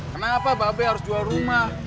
kenapa babe harus jual rumah